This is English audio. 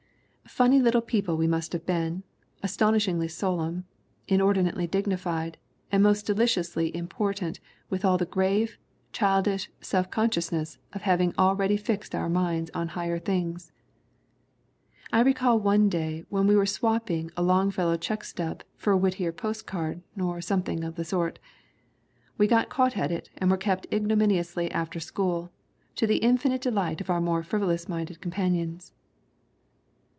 Funny little people we must have been astonishingly solemn, in ordinately dignified and most deliciously important with all the grave, childish self consciousness of hav ing already fixed our minds on higher things. "I recall one day when we were swapping a Long fellow check stub for a Whittier post card, or some thing of that sort. We got caught at it and were kept ignominiously after school, to the infinite delight of our more frivolous minded companions."